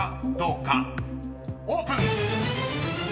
［オープン！］